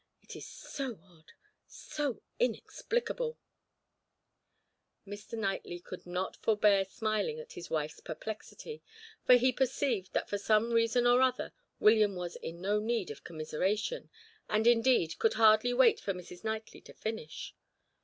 It is so odd, so inexplicable " Mr. Knightley could not forbear smiling at his wife's perplexity, for he perceived that for some reason or other William was in no need of commiseration, and, indeed, could hardly wait for Mrs. Knightley to finish.